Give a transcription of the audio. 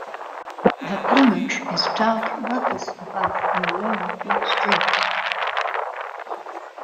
The plumage is dark rufous above and below with black streaks.